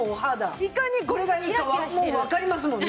いかにこれがいいかもうわかりますもんね。